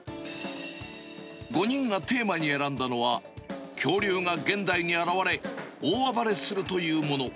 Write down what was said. ５人がテーマに選んだのは、恐竜が現代に現れ、大暴れするというもの。